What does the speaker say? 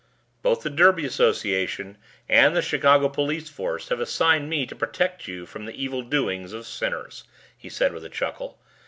"Both the Derby Association and the Chicago Police Force have assigned me to protect you from the evil doings of sinners," he said with a chuckle.